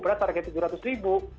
berat target tujuh ratus ribu